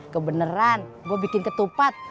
kebeneran gue bikin ketupat